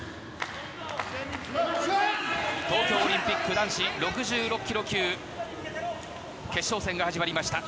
東京オリンピック男子６６ｋｇ級決勝戦が始まりました。